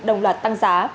đồng loạt tăng giá